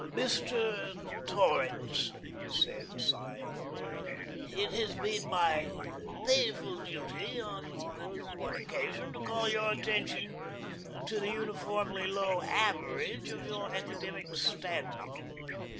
"Mr. Torrance," he said, sighing, "it has been my painful duty on more than one occasion to call your attention to the uniformly low average of your academic standing.